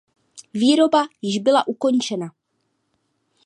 Výroba již byla ukončena.